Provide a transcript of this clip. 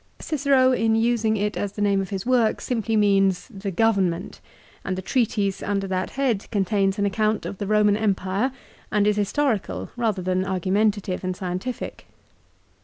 Cicero, in using it as the name of his work, simply means "the government," and the treatise under that head contains an account of the Eoman Empire, and is historical rather than argumentative and scientific.